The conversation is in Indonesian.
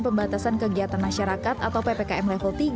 pembatasan kegiatan masyarakat atau ppkm level tiga